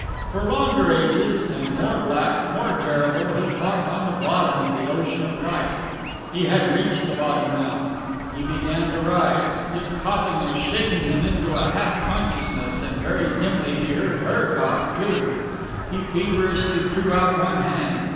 For longer ages, and more black, more terrible, he fought on the bottom of the ocean of life. He had reached the bottom now. He began to rise. His coughing was shaking him into a half consciousness, and very dimly he heard her cough, too. He feverishly threw out one hand.